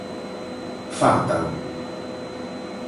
Fartan.